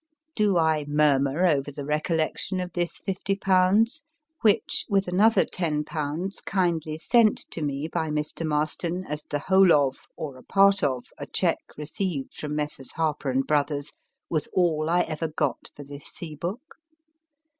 Do I murmur over the recollection of this fifty pounds which, with another ten pounds kindly sent to me by Mr. Marston as the whole of, or a part of, a cheque received from Messrs. Har per & Brothers, was all I ever got for this sea book